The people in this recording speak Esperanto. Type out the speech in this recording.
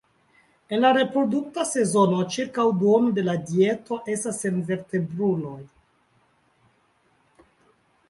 En la reprodukta sezono, ĉirkaŭ duono de la dieto estas senvertebruloj.